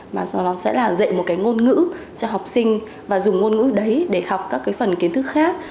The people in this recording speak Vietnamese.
mà sẽ là dạy một ngôn ngữ cho học sinh và dùng ngôn ngữ đấy để học các phần kiến thức khác